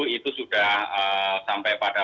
itu sudah sampai pada